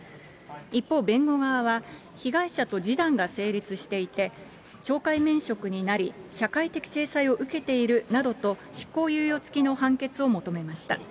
一方、弁護側は、被害者と示談が成立していて、懲戒免職になり、社会的制裁を受けているなどと、執行猶予付きの判決を求めました。